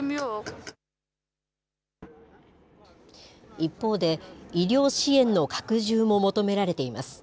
一方で、医療支援の拡充も求められています。